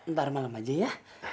ntar malem aja ya